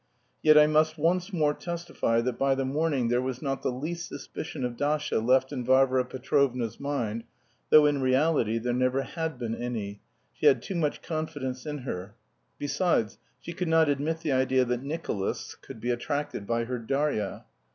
Yet I must once more testify that by the morning there was not the least suspicion of Dasha left in Varvara Petrovna's mind, though in reality there never had been any she had too much confidence in her. Besides, she could not admit the idea that "Nicolas" could be attracted by her Darya.